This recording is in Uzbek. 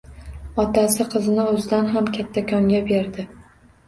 Otasi qizini o‘zidan ham kattakonga berdi.